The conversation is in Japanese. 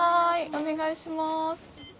お願いします。